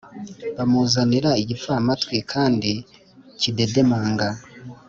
Bamuzanira igipfamatwi kandi kidedemanga